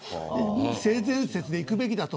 性善説でいくべきだと。